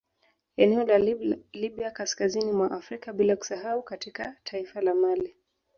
Eneo la Libya kaskazini mwa Afrika bila kusahau katika taifa la mali